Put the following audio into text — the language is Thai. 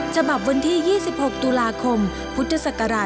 ฉบับวันที่๒๖ตุลาคมพุทธศักราช๒๕